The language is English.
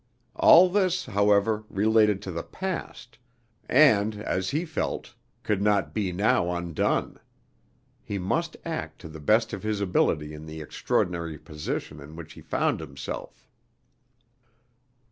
All this, however, related to the past, and, as he felt, could not be now undone. He must act to the best of his ability in the extraordinary position in which he found himself.